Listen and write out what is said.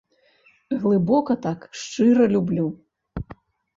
Глыбока так, шчыра люблю.